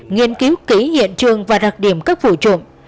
nghiên cứu kỹ hiện trường và đặc điểm các vụ trộm